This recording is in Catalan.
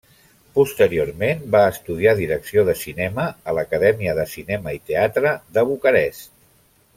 Posteriorment, va estudiar direcció de cinema a l'Acadèmia de Cinema i Teatre de Bucarest.